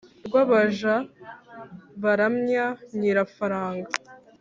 Rw’abaja baramya nyirafaranga